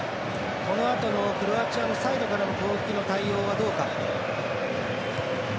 このあとのクロアチアのサイドからの攻撃の対応はどうか。